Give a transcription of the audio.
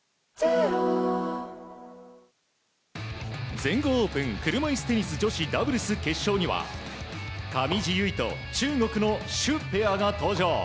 全豪オープン、車いすテニス女子ダブルス決勝には上地結衣と中国のシュペアが登場。